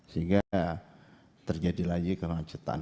sehingga terjadi lagi kemacetan